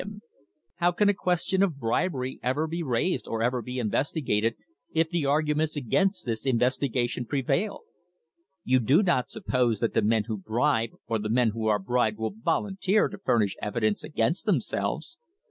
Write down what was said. THE HISTORY OF THE STANDARD OIL COMPANY "How can a question of bribery ever be raised or ever be investigated if the argu ments against this investigation prevail ? You do not suppose that the men who bribe or the men who are bribed will volunteer to furnish evidence against themselves